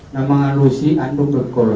nama'u alusi anda berkursi